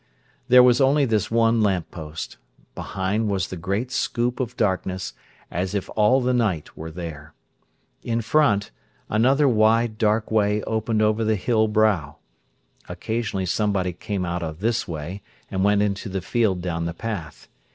There was only this one lamp post. Behind was the great scoop of darkness, as if all the night were there. In front, another wide, dark way opened over the hill brow. Occasionally somebody came out of this way and went into the field down the path.